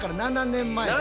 ７年前！